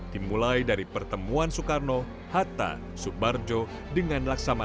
dimulai dari pertemuan soekarno hatta subarjo dengan laksamana